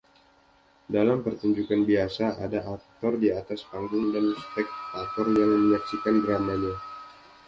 Dalam pertunjukan biasa ada aktor di atas panggung dan spektator yang menyaksikan dramanya.